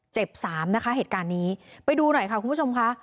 เจ็บสามนะคะเหตุการณ์นี้ไปดูหน่อยค่ะคุณผู้ชมค่ะ